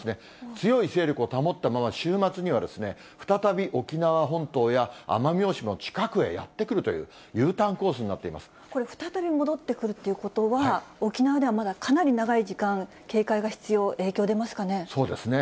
強い勢力を保ったまま、週末には再び沖縄本島や、奄美大島の近くへやって来るという、これ、再び戻ってくるということは、沖縄ではまだかなり長い時間、警戒が必要、影響出ますかそうですね。